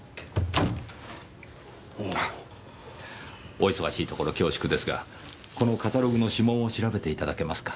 お忙しいところ恐縮ですがこのカタログの指紋を調べていただけますか？